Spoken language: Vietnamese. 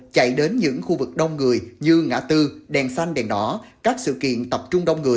chạy đến những khu vực đông người như ngã tư đèn xanh đèn đỏ các sự kiện tập trung đông người